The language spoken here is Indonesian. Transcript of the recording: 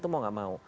mau gak mau